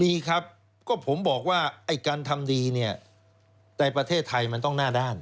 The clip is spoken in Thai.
มีครับก็ผมบอกว่าไอ้การทำดีเนี่ยในประเทศไทยมันต้องหน้าด้าน